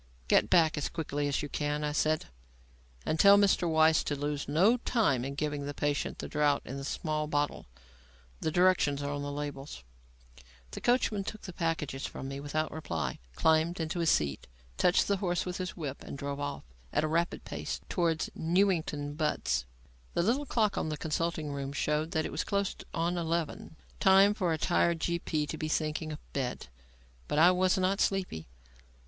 "Get back as quickly as you can," I said, "and tell Mr. Weiss to lose no time in giving the patient the draught in the small bottle. The directions are on the labels." The coachman took the packages from me without reply, climbed to his seat, touched the horse with his whip and drove off at a rapid pace towards Newington Butts. The little clock in the consulting room showed that it was close on eleven; time for a tired G.P. to be thinking of bed. But I was not sleepy.